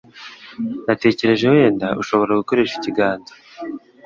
Natekereje wenda ushobora gukoresha ikiganza.